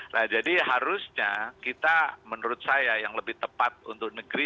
nah jadi harusnya kita menurut saya yang lebih tepat untuk negeri